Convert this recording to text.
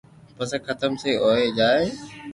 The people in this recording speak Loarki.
پسي جيم سھي ھوئي ھوئي جائين